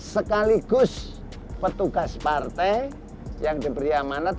sekaligus petugas partai yang diberi amanat